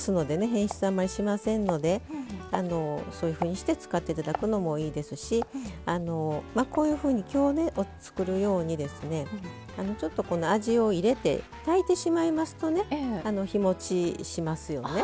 変質あんまりしませんのでそういうふうにして使って頂くのもいいですしこういうふうに今日ね作るようにですねちょっと味を入れて炊いてしまいますとね日もちしますよね。